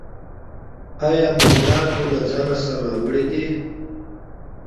ایا معاینات مو له ځان سره راوړي دي؟